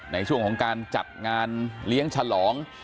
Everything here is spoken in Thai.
ในช่วงของการจัดงานเลี้ยงฉลอง